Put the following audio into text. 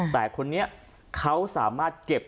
แต่คนนี้เขาสามารถเก็บ